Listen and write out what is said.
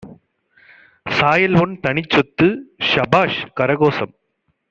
சாயல்உன் தனிச்சொத்து! ஸபாஷ்! கரகோஷம்!